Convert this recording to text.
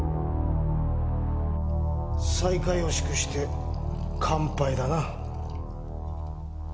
再会を祝して乾杯だな。